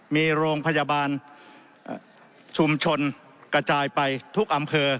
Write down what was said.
มีโรงพยาบาลชุมชนกระจายไปทุกอำเภอ